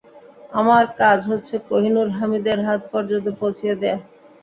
আমার কাজ হচ্ছে কোহিনূর হামিদের হাত পর্যন্ত পৌঁছিয়ে দেয়া।